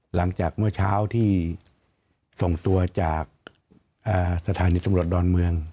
หลังจากเมื่อเช้าที่ส่งตัวจากสถานีตำรวจดอนเมือง